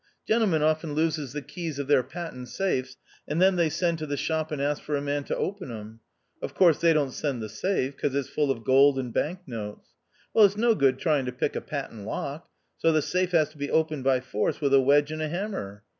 Gentlemen often loses the keys of their patent safes, and then they send to the shop and ask for a man to open 'em. Of course they don't send the safe, 'cos it's full of gold and bank notes. Well, it's no good trying to pick a patent lock ; so the safe has to be opened by force with a wedge and a hammer.